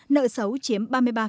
nợ xấu chiếm ba mươi ba